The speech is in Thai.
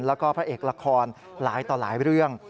แล้วก็พระเอกละครหลายต่อหลายเรื่อง